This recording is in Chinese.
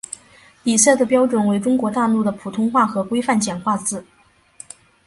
比赛的标准为中国大陆的普通话和规范简化字。